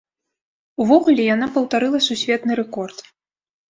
Увогуле, яна паўтарыла сусветны рэкорд.